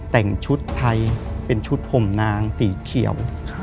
แต่งชุดไทยเป็นชุดผมนางสีเขียว